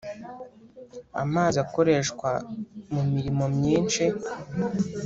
.Amazi akoreshwa mumirimo myinshi